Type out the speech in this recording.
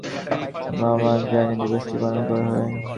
শিশুহত্যা বন্ধ এবং শিশুদের ভালোবাসার আহ্বান জানিয়ে দিবসটি পালন করা হয়।